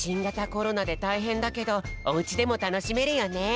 コロナでたいへんだけどおうちでもたのしめるよね。